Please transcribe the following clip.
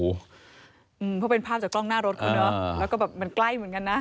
เพราะเป็นภาพจากกล้องหน้ารถเขาเนอะแล้วก็แบบมันใกล้เหมือนกันนะ